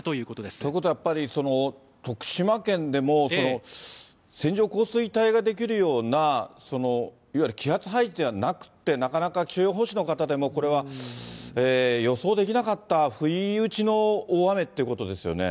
ということはやっぱり、徳島県でも線状降水帯が出来るような、いわゆる気圧配置はなくて、なかなか気象予報士の方でもこれは予想できなかった、不意打ちの大雨ということですよね。